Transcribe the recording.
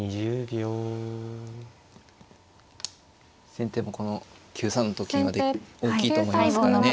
先手もこの９三のと金は大きいと思いますからね。